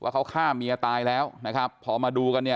ว่าเขาฆ่ามียาตายแล้วนะครับพอมาดูกัน